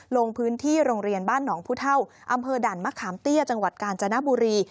ลงพื้นที่โรงเรียนบ้านหนองผู้เท่าอำเภอด่านมะขามเตี้ยจังหวัดกาญจนบุรี